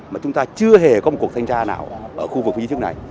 mà chúng ta chưa hề có một cuộc thanh tra nào ở khu vực phí chính thức này